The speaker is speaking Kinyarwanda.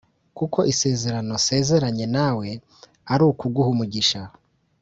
kuko isezerano nsezeranye nawe ari kuguha umugisha